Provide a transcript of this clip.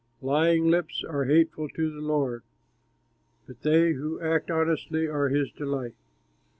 Lying lips are hateful to the Lord, But they who act honestly are his delight.